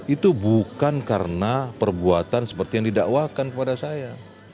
itu bukan karena perbuatan seperti yang didakwakan kepada saya